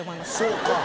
そうか。